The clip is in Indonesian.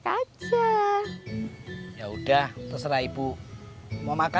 tapi nama indro itu ketoprak